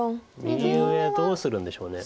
右上どうするんでしょうね。